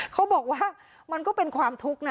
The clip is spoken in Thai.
เขาบอกว่ามันก็เป็นความทุกข์นะ